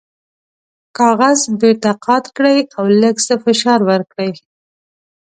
کاغذ بیرته قات کړئ او لږ څه فشار ورکړئ.